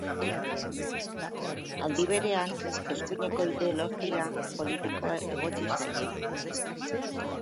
Aldi berean, eskuineko ideologia politikoa egotzi zaie.